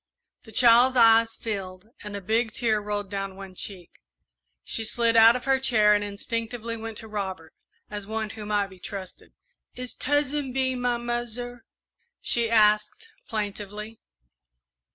The child's eyes filled and a big tear rolled down one cheek. She slid out of her chair and instinctively went to Robert, as one who might be trusted. "Is Tuzzin Bee my muzzer?" she asked plaintively.